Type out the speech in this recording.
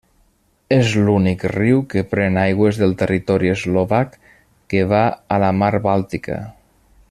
És l'únic riu que pren aigües del territori eslovac que va a la mar Bàltica.